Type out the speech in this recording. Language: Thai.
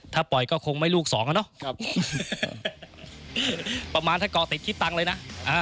ถ้าปล่อยก็คงไม่ลูกสองอ่ะเนาะประมาณถ้าเกาะติดคิดตังเลยนะ